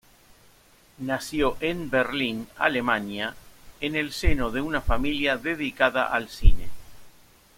Nació en Berlín, Alemania, en el seno de una familia dedicada al cine.